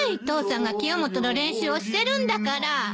父さんが清元の練習をしてるんだから。